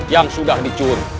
yang sudah dicuri